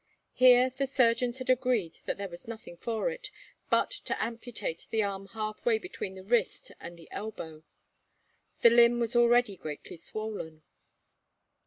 Here the surgeons had agreed that there was nothing for it, but to amputate the arm halfway between the wrist and the elbow. The limb was already greatly swollen.